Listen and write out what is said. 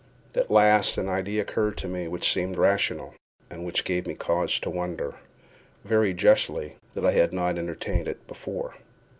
At last an idea occurred to me which seemed rational, and which gave me cause to wonder, very justly, that I had not entertained it before.